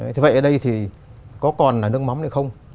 thế vậy ở đây thì có còn là nước mắm này không